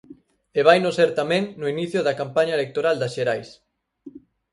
E vaino ser tamén no inicio da campaña electoral das xerais.